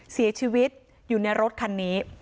เสียชีวิตอยู่ในรถคันนี้